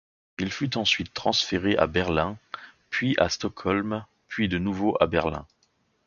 Il fut ensuite transféré à Berlin, puis à Stockholm, puis de nouveau à Berlin.